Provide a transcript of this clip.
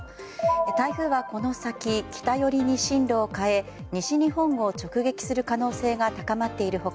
台風はこの先北寄りに進路を変え西日本を直撃する可能性が高まっている他